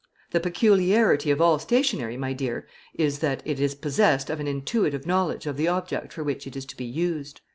The peculiarity of all stationery, my dear, is, that it is possessed of an intuitive knowledge of the object for which it is to be used.